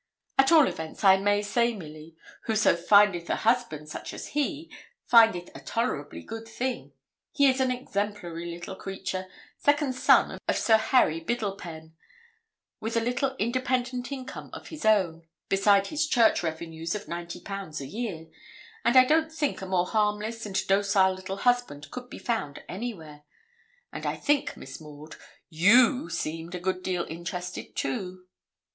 At all events, I may say, Milly, whoso findeth a husband such as he, findeth a tolerably good thing. He is an exemplary little creature, second son of Sir Harry Biddlepen, with a little independent income of his own, beside his church revenues of ninety pounds a year; and I don't think a more harmless and docile little husband could be found anywhere; and I think, Miss Maud, you seemed a good deal interested, too.'